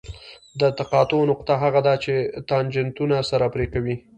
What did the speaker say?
د تقاطع نقطه هغه ده چې تانجانتونه سره پرې کوي